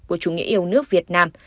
của chủ nghĩa yêu nước việt nam